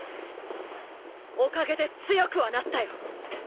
おかげで強くはなったよ。